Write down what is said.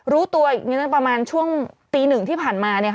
รู้ตัวประมาณช่วงตี๑ที่ผ่านมา